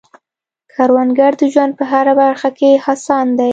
کروندګر د ژوند په هره برخه کې هڅاند دی